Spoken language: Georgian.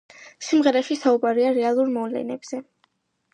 სიმღერაში საუბარია რეალურ მოვლენებზე.